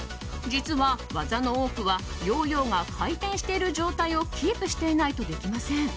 実は、技の多くはヨーヨーが回転している状態をキープしていないとできません。